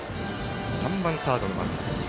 ３番サードの松崎。